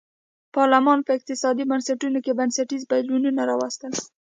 پارلمان په اقتصادي بنسټونو کې بنسټیز بدلونونه راوستل.